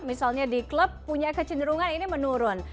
misalnya di klub punya kecenderungan ini menurun